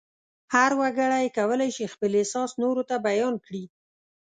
هر وګړی کولای شي خپل احساس نورو ته بیان کړي.